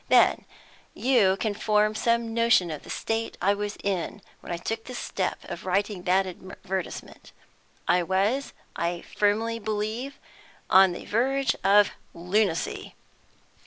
Then you can form some notion of the state I was in when I took the step of writing that advertisement; I was, I firmly believe, on the verge of lunacy!